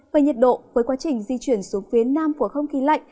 về nhiệt độ với quá trình di chuyển xuống phía nam của không khí lạnh